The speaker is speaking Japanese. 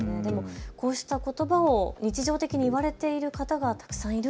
こうしたことばを日常的に言われている方がたくさんいる。